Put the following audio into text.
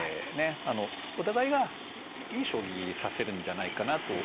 お互いが、いい将棋を指せるんじゃないかなと思います。